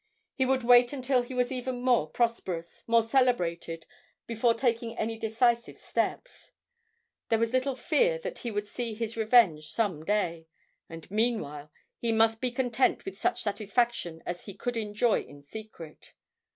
He would wait until he was even more prosperous, more celebrated, before taking any decisive steps. There was little fear that he would see his revenge some day, and meanwhile he must be content with such satisfaction as he could enjoy in secret.